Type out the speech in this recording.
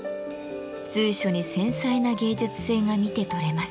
随所に繊細な芸術性が見て取れます。